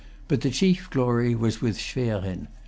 But the chief glory was with Schwerin.